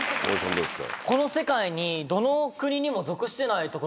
どうですか？